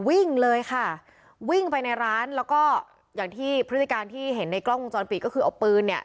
วิ่งเลยค่ะวิ่งไปในร้านแล้วก็อย่างที่พฤติการที่เห็นในกล้องวงจรปิดก็คือเอาปืนเนี่ย